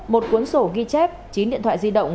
một cuốn sổ ghi chép chín điện thoại di động